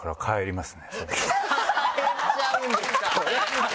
帰っちゃうんですか！